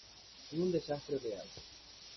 Es un desastre real.